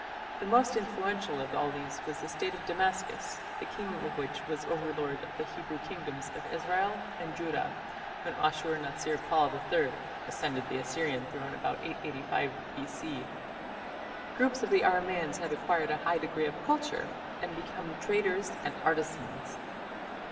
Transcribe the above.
The most influential of these was the State of Damascus, the king of which was the overlord of the Hebrew kingdoms of Israel and Judah when Ashur natsir pal III ascended the Assyrian throne about 885 B.C. Groups of the Aramaeans had acquired a high degree of culture and become traders and artisans.